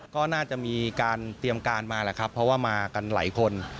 ก็น่าจะมีการเตรียมการมาแหละครับเพราะว่ามากันหลายคน